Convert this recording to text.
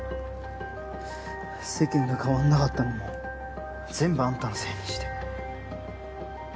世間が変わんなかったのも全部あんたのせいにして。